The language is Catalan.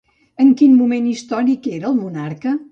En quin moment històric era monarca?